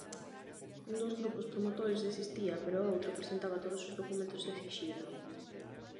Un dos grupos promotores desistía pero o outro presentaba todos os documentos esixidos.